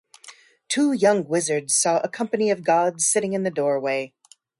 Two young wizards saw a company of gods sitting in the doorway.